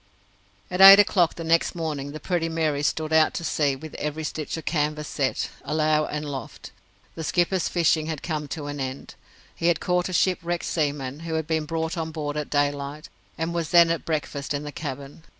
At eight o'clock the next morning the Pretty Mary stood out to sea with every stitch of canvas set, alow and aloft. The skipper's fishing had come to an end. He had caught a shipwrecked seaman, who had been brought on board at daylight, and was then at breakfast in the cabin.